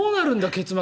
結末。